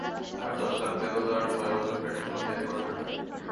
আর দশ লাখ পেলেও, তার ছয়বছর ট্রেনিং হবে, এরপর চাকরি।